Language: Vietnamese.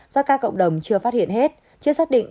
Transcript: do các cộng đồng chưa phát hiện hết chưa xác định